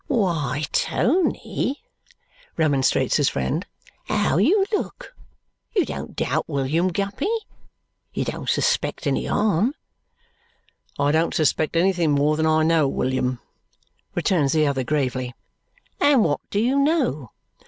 "Why, Tony," remonstrates his friend, "how you look! You don't doubt William Guppy? You don't suspect any harm?" "I don't suspect anything more than I know, William," returns the other gravely. "And what do you know?"